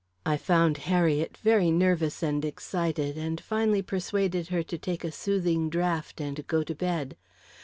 I found Harriet very nervous and excited, and finally persuaded her to take a soothing draught and go to bed.